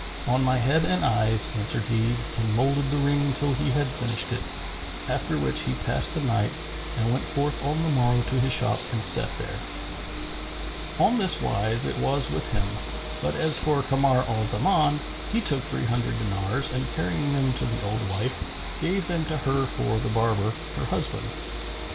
"On my head and eyes," answered he and moulded the ring till he had finished it, after which he passed the night and went forth on the morrow to his shop and sat there. On this wise it was with him; but as for Kamar al Zaman, he took three hundred dinars and carrying them to the old wife, gave them to her for the barber, her husband.